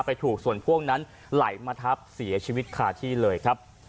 ถูกส่วนพ่วงนั้นไหลมาทับเสียชีวิตคาที่เลยครับ